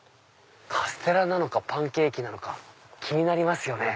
カステラなのかパンケーキなのか気になりますよね。